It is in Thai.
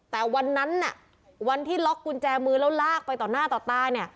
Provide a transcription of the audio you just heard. แต่วันนั้นวันที่ล็อกกุญแจมือแล้วลากไปต่อหน้าต่อตา